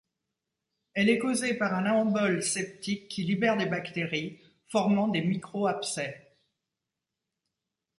Elle est causée par un embole septique qui libère des bactéries, formant des micro-abcès.